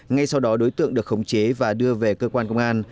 ngay sau đó đối tượng được khống chế và đưa về cơ quan công an